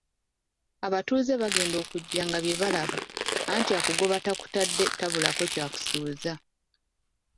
Abatuuze bagenda okujja nga bye balaba, anti akugoba takutadde tabulako ky'akusuuza.